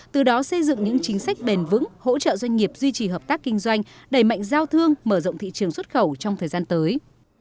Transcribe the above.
từ đó xây dựng những chính sách bền vững hỗ trợ doanh nghiệp duy trì hợp tác kinh doanh đẩy mạnh giao thương mở rộng thị trường xuất khẩu trong thời gian tới